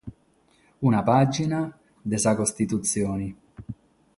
Una pàgina de sa Costitutzione.